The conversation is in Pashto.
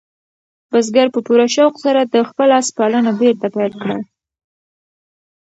بزګر په پوره شوق سره د خپل آس پالنه بېرته پیل کړه.